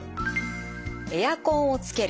エアコンをつける。